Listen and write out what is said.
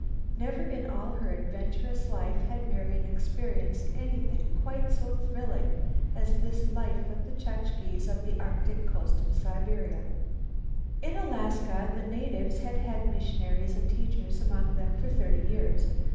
Never in all her adventurous life had Marian experienced anything quite so thrilling as this life with the Chukches of the Arctic coast of Siberia. In Alaska the natives had had missionaries and teachers among them for thirty years.